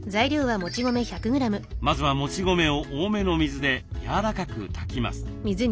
まずはもち米を多めの水でやわらかく炊きます。